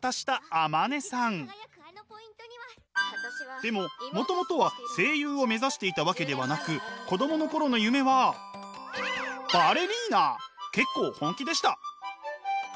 でももともとは声優を目指していたわけではなく結構本気でした。